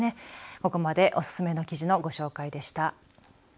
ここまでおすすめの記事のご紹介でした。